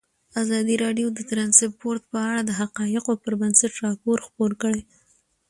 ازادي راډیو د ترانسپورټ په اړه د حقایقو پر بنسټ راپور خپور کړی.